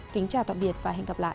kính chào tạm biệt và hẹn gặp lại